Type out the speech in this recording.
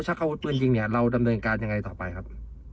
ขับตามเพื่อให้เขากลับมาดูเขาที่ชนนะครับ